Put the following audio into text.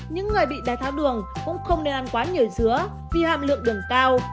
những người bị đáy tháo đường cũng không nên ăn quá nhiều dứa vì hàm lượng đường cao